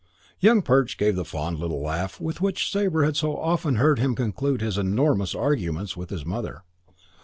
Young Perch gave the fond little laugh with which Sabre had so often heard him conclude his enormous arguments with his mother.